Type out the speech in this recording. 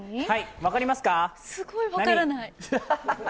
すごい分からない。